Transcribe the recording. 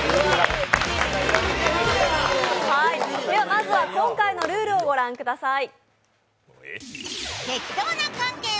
まずは今回のルールをご覧ください。